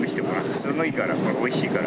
すごいからこれおいしいから。